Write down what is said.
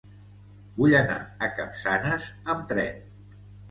Vull anar a Capçanes amb tren.